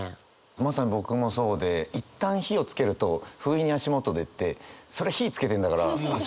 まさに僕もそうで「いったん火をつけると不意に足許で」ってそりゃ火つけてんだから足許火。